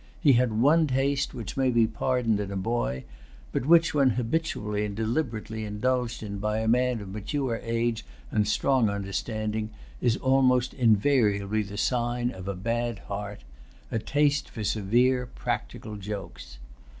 He had one taste which may be pardoned in a boy, but which when habitually and deliberately indulged by a man of mature age and strong understanding, is almost invariably the sign of a bad heart,—a taste for severe practical jokes.